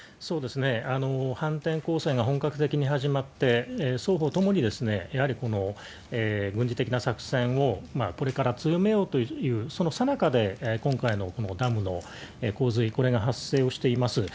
反転攻勢が本格的に始まって、双方ともにやはり軍事的な作戦をこれから強めようという、そのさなかで今回のこのダムの洪水、これが発生をしています。